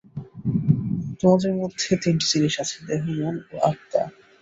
তোমাদের মধ্যে তিনটি জিনিষ আছে দেহ, মন ও আত্মা।